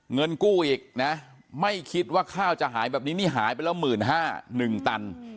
เงินกู้อีกนะไม่คิดว่าข้าวจะหายแบบนี้นี่หายไปแล้ว๑๕๐๐๑ตัน